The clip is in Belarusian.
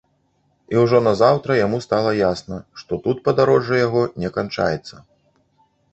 І ўжо назаўтра яму стала ясна, што тут падарожжа яго не канчаецца.